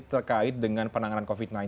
terkait dengan penanganan covid sembilan belas